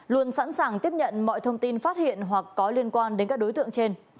luôn sẵn sàng tiếp nhận mọi thông tin phát hiện hoặc có liên quan đến các đối tượng trên